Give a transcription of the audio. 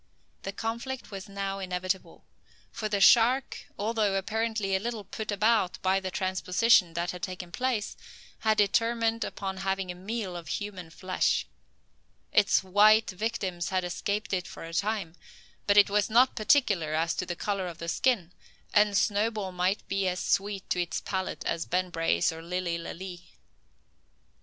The conflict was now inevitable: for the shark, although apparently a little put about by the transposition that had taken place, had determined upon having a meal of human flesh. Its white victims had escaped it for the time, but it was not particular as to the colour of the skin, and Snowball might be as sweet to its palate as Ben Brace or Lilly Lalee.